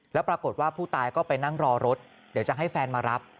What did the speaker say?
แล้วปรากฏว่าผู้ตายก็ไปนั่งรอรถเดี๋ยวจะให้แฟนมารับ